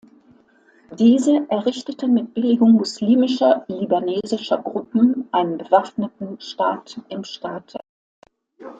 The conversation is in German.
Diese errichteten mit Billigung muslimischer libanesischer Gruppen einen bewaffneten "Staat im Staate".